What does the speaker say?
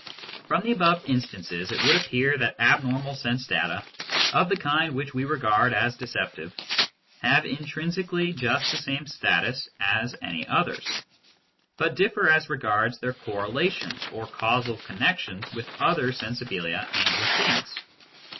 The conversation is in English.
From the above instances it would appear that ab normal sense data, of the kind which we regard as decep tive, have intrinsically just the same status as any others, but differ as regards their correlations or causal connec tions with other " sensibilia " and with " things."